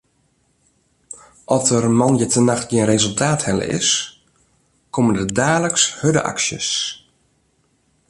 As der moandeitenacht gjin resultaat helle is, komme der daliks hurde aksjes.